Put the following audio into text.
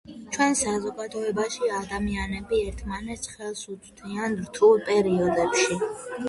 ჩვენს საზოგადოებაში ადამიანები ერთმანეთს ხელს უწვდიან რთულ პერიოდებში.